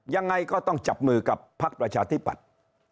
ยังไงก็ต้องจับมือกับพักประชาธิปัตย์